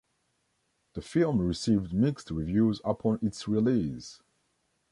The film received mixed reviews upon its release.